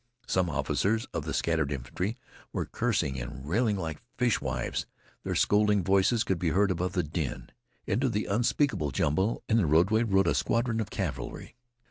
Some officers of the scattered infantry were cursing and railing like fishwives. Their scolding voices could be heard above the din. Into the unspeakable jumble in the roadway rode a squadron of cavalry.